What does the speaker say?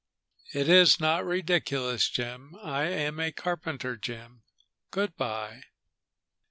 "It is not ridiculous, Jim. I am a carpenter, Jim. Good by."